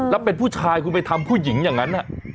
แล้วเป็นผู้ชายคุณไปทำผู้หญิงอย่างนั้น